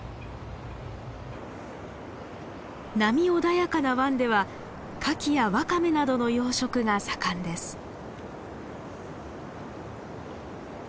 波穏やかな湾ではカキやワカメなどの養殖が盛んです。